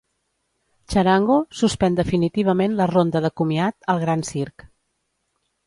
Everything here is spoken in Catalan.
Txarango suspèn definitivament la ronda de comiat ‘El gran circ’